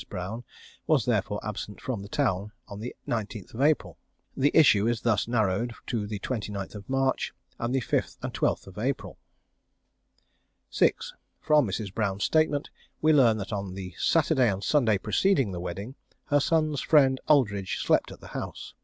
Brown was therefore absent from town on the 19th April. The issue is thus narrowed to the 29th March and the 5th and 12th April. 6. From Mrs. Brown's statement we learn that on the Saturday and Sunday preceding the wedding her son's friend Aldridge slept at the house.